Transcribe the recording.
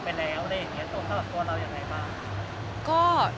เพราะว่านายก็ได้ถามไปแล้ว